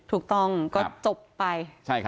ถูกต้องก็จบไป